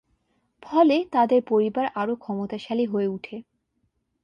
ফলে তাদের পরিবার আরো ক্ষমতাশালী হয়ে উঠে।